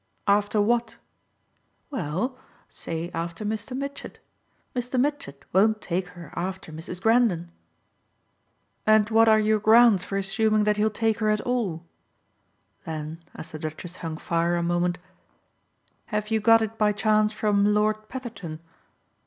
"After what?" "Well say after Mr. Mitchett. Mr. Mitchett won't take her after Mrs. Grendon." "And what are your grounds for assuming that he'll take her at all?" Then as the Duchess hung fire a moment: "Have you got it by chance from Lord Petherton?"